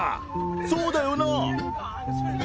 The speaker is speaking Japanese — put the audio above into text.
そうだよなー？